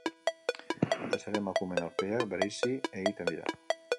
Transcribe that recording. Batez ere emakumeen aurpegiak bereizi egiten dira.